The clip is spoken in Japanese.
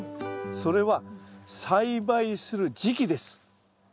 それは栽培する時期です。